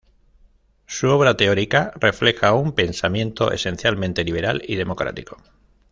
Su obra teórica refleja un pensamiento esencialmente liberal y democrático.